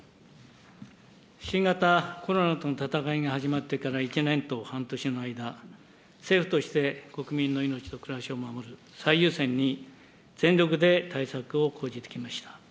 新型コロナとの戦いが始まってから、１年と半年の間、政府として国民の命と暮らしを守る、最優先に全力で対策を講じてきました。